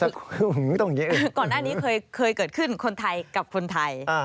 ก่อนหน้านี้เคยเกิดขึ้นคนไทยกับคนไทย